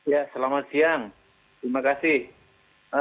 ya selamat siang terima kasih